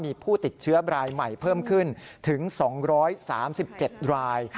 มีผู้ติดเชื้อรายใหม่เพิ่มขึ้นถึง๒๓๗ราย